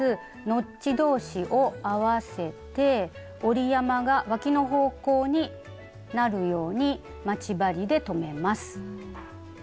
ノッチ同士を合わせて折り山がわきの方向になるように待ち針で留めます。